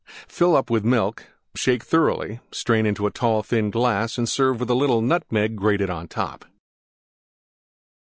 Fill up with Milk; shake thoroughly; strain into tall, thin glass and serve with little Nutmeg grated on top.